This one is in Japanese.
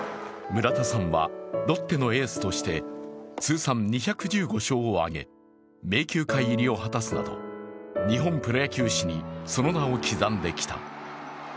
村田さんはロッテのエースとして通算２１５勝を挙げ名球会入りを果たすなど日本プロ野球史にその名を刻んできた。